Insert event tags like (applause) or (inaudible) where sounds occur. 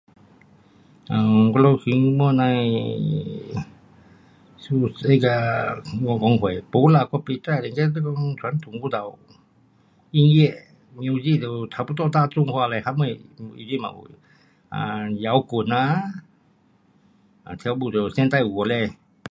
(unintelligible) 公会，不啦，我不知，这这呐传统舞蹈，音乐，music 都差不多大众化嘞，什么 um 都有，啊摇滚呐，啊跳舞就现代舞那些。